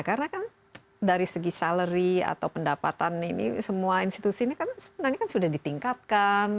karena kan dari segi salary atau pendapatan ini semua institusi ini sebenarnya sudah ditingkatkan